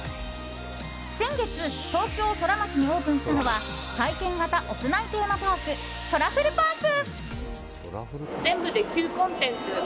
先月、東京ソラマチにオープンしたのは体験型屋内テーマパークソラフルパーク。